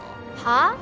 はあ？